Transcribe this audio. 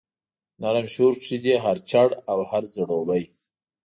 نرم شور کښي دی هر چړ او هر ځړوبی